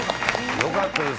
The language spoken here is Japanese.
よかったです